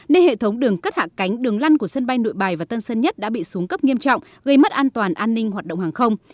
nên hệ thống đường cất hạ cánh đường lăn của sân bay nội bài và tân sơn nhất đã bị xuống cấp nghiêm trọng gây mất an toàn an ninh hoạt động hàng không